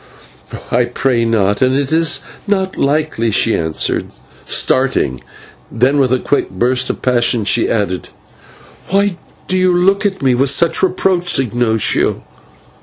"I pray not, and it is not likely," she answered, starting, then with a quick burst of passion she added: "But why do you look at me with such reproach, Ignatio?